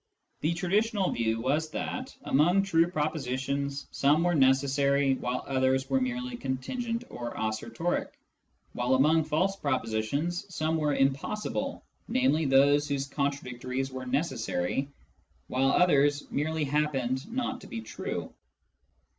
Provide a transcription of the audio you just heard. The traditional view was that, among true propositions, some were necessary, while others were merely contingent or assertoric ; while among false propositions some were impossible, namely, those whose contradictories were necessary, while others merely happened not to be true.